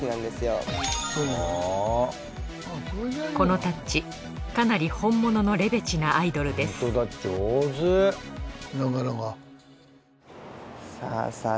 このタッチかなり本物のレベチなアイドルですさぁさぁ